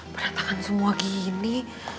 beratakan semua gini